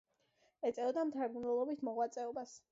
ეწეოდა მთარგმნელობით მოღვაწეობას.